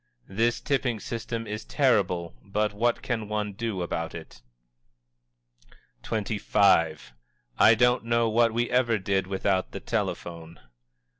"This tipping system is terrible, but what can one do about it?" XXV. "_I don't know what we ever did without the telephone!